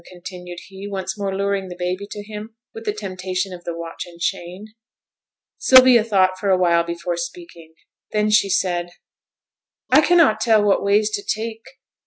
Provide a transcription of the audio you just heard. continued he, once more luring the baby to him with the temptation of the watch and chain. Sylvia thought for a while before speaking. Then she said, 'I cannot tell what ways to take.